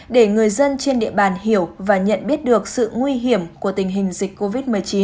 để người dân trên địa bàn hiểu và nhận biết được sự nguy hiểm của tình hình dịch covid một mươi chín